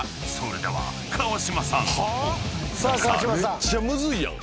めっちゃむずいやん。